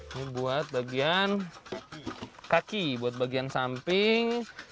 ini buat bagian kaki buat bagian samping